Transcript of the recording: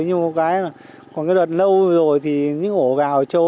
nhưng một cái là có cái đợt lâu rồi thì những ổ gào trô